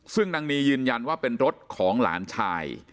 ซึ่งนางนียืนยันว่าเป็นรถของหลานชาย